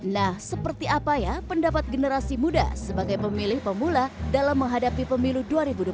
nah seperti apa ya pendapat generasi muda sebagai pemilih pemula dalam menghadapi perkembangan